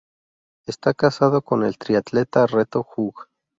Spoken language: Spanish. Está casada con el triatleta Reto Hug.